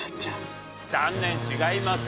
残念違います！